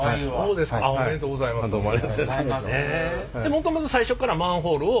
もともと最初からマンホールを？